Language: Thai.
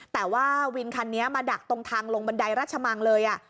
แต่ว่าวินคันนี้มาดักตรงทางลงบันไดราชมังเลย